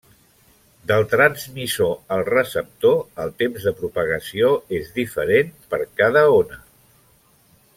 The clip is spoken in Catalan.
Del transmissor al receptor, el temps de propagació és diferent per cada ona.